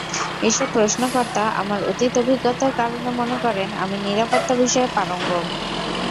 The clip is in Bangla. এসব প্রশ্নকর্তা আমার অতীত অভিজ্ঞতার কারণে মনে করেন, আমি নিরাপত্তা বিষয়ে পারঙ্গম।